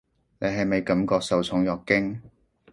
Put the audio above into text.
你係咪感覺受寵若驚？